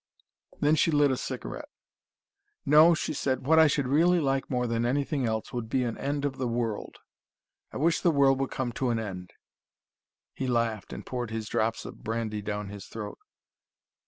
Then she lit a cigarette. "No," she said. "What I should really like more than anything would be an end of the world. I wish the world would come to an end." He laughed, and poured his drops of brandy down his throat.